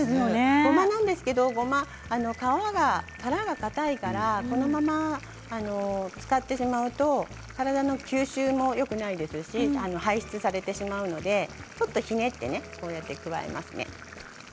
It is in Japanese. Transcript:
ごまは皮がかたいからこのまま使ってしまうと体への吸収もよくないですし排出されてしまうのでちょっとひねって加えますね。